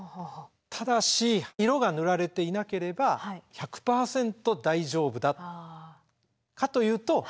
ただし色が塗られていなければ１００％大丈夫かというとそうではないですよと。